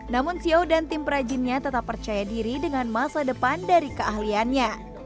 namun xiao dan tim perajinnya tetap percaya diri dengan masa depan dari keahliannya